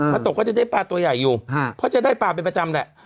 ตกก็จะได้ปลาตัวใหญ่อยู่เพราะจะได้ปลาเป็นประจำแหละ